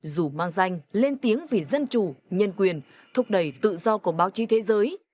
dù mang danh lên tiếng vì dân chủ nhân quyền thúc đẩy tự do của báo chí thế giới